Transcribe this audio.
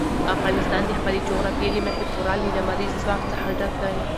افغانستان د خپلې جغرافیې له مخې پوره له لمریز ځواک څخه ډک دی.